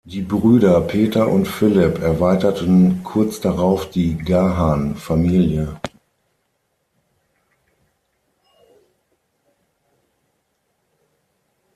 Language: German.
Die Brüder Peter und Philip erweiterten kurz darauf die Gahan-Familie.